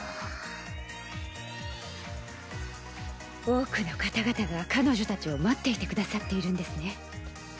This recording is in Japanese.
多くの方々が彼女たちを待っていてくださっているんですね。